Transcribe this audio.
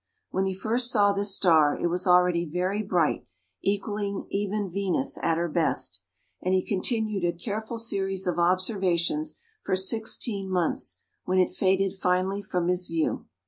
When he first saw this star, it was already very bright, equalling even Venus at her best; and he continued a careful series of observations for sixteen months, when it faded finally from his view.